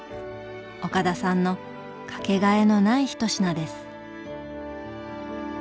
岡田さんの掛けがえのない一品です。